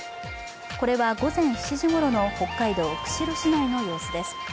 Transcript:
これは午前７時ごろの北海道釧路市内の様子です。